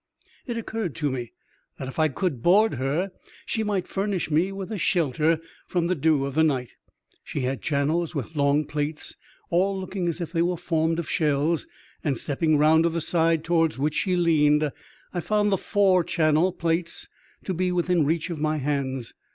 It occurred to me that if I could board her she might furnish me with a shelter from the dew of the night. She had channels with long plates, all looking as if they were formed of shells ; and stepping round to the side towards which she leaned, I found the fore channel plates to be within reach of my hands.